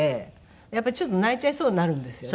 やっぱりちょっと泣いちゃいそうになるんですよね。